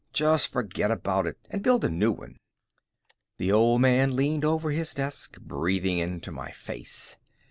Just forget about it and build a new one." The Old Man leaned over his desk, breathing into my face.